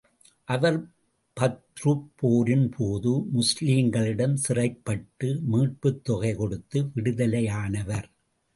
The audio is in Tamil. அவர் பத்ருப் போரின் போது, முஸ்லிம்களிடம் சிறைப்பட்டு, மீட்புத் தொகை கொடுத்து விடுதலையானவர்.